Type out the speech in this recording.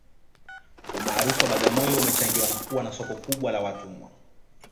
umaarufu wa bagamoyo umechangiwa na kuwa na soko kubwa la watumwa